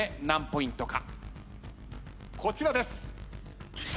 こちらです。